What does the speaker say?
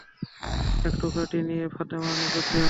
এই টুকরাটি নিয়ে ফাতেমার নিকট যাও।